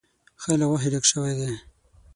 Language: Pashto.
ښه له غوښې ډک شوی دی.